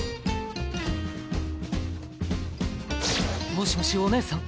もしもしお姉さん？